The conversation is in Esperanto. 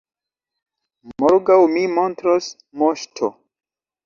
Morgaŭ mi montros, moŝto!